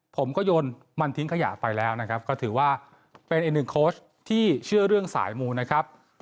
ผมก็โยนมันทิ้งขยะไปแล้วนะครับก็ถือว่าเป็นอีกหนึ่งโค้ชที่เชื่อเรื่องสายมูลนะครับ